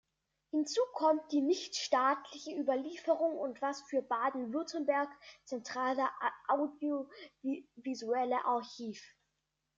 Hinzu kommt die nichtstaatliche Überlieferung und das für Baden-Württemberg zentrale audiovisuelle Archiv.